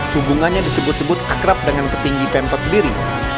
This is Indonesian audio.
hubungannya disebut sebut akrab dengan petinggi pemka pediri